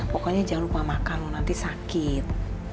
pokoknya jangan lupa makan nanti sakit